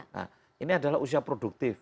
nah ini adalah usia produktif